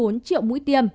một mươi bốn triệu mũi tiêm